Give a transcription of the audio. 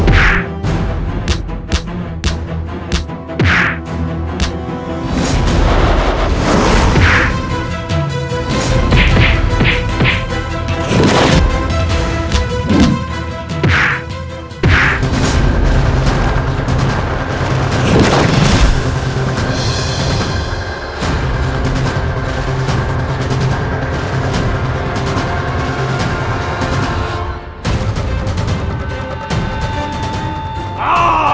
keras banget pegangannya